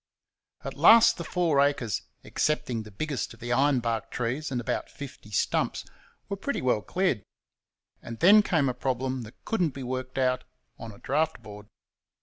At last the four acres excepting the biggest of the iron bark trees and about fifty stumps were pretty well cleared; and then came a problem that could n't be worked out on a draught board.